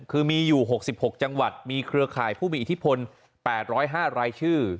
คือมีอยู่๖๖จังหวัดมีเครือข่ายผู้มีอิทธิพล๘๐๕รายชื่อ